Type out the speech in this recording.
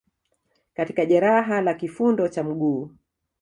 katika jeraha la kifundo cha mguu